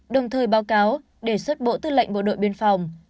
đồng thời báo cáo đề xuất bộ tư lệnh bộ đội biên phòng